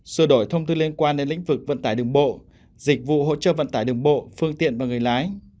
sửa đổi thông tư liên quan đến lĩnh vực vận tải đường bộ dịch vụ hỗ trợ vận tải đường bộ phương tiện và người lái